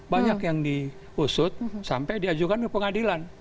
banyak yang diusut sampai diajukan ke pengadilan